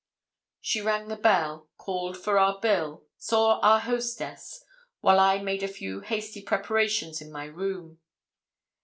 She rang the bell, called for our bill, saw our hostess; while I made a few hasty prepartions in my room.